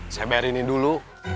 saya beri ini dulu